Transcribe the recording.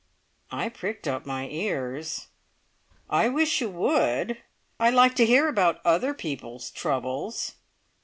I pricked up my ears. "I wish you would. I like to hear about other people's troubles!"